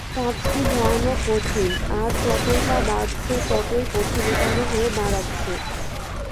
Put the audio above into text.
কাজটি ভয়ানক কঠিন, আর যতই তা বাড়ছে, ততই কঠিনতর হয়ে দাঁড়াচ্ছে।